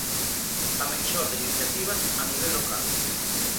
Tamén xorden iniciativas a nivel local.